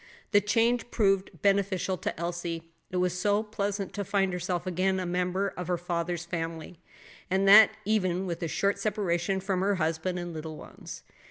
The change proved beneficial to Elsie; it was so pleasant to find herself again a member of her father's family; and that even without a short separation from her husband and little ones.